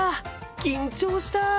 緊張した。